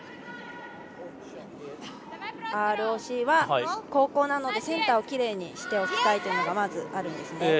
ＲＯＣは後攻なのでセンターをきれいにしておきたいというのがまずあるんですね。